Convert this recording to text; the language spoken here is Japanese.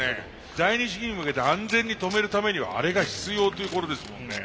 第二試技に向けて安全に止めるためにはあれが必要っていうことですもんね。